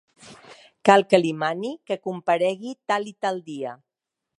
Cal que li mani que comparegui tal i tal dia.